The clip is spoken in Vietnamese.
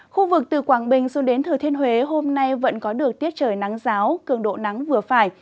khu vực từ quảng bình xuống đến thừa thiên huế hôm nay vẫn có được tiết trời nắng giáo cường độ nắng vừa phải